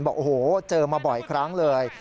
บอกโอ้โหเจอมาบ่อยครั้งเลย